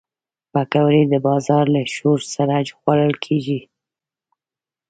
پکورې د بازار له شور سره خوړل کېږي